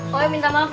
kau yang minta maaf ya